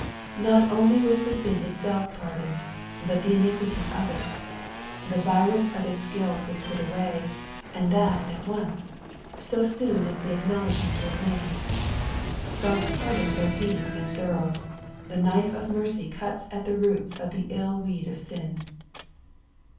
Not only was the sin itself pardoned, but the iniquity of it ; the Tims of its guilt was put away, and that at once, so soon as the acknow ledgment was made. God's pardons are deep and thorough : the knife of mercy cuts at tlie roots of the ill weed of sin.